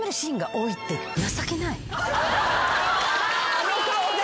あの顔で。